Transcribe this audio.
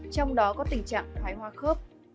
trong đó có tình trạng thái hoa khớp